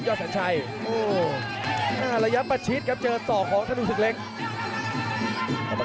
กระโดยสิ้งเล็กนี่ออกกันขาสันเหมือนกันครับ